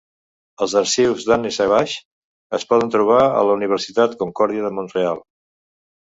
Els arxius d'Anne Savage es poden trobar a la Universitat Concordia de Montreal.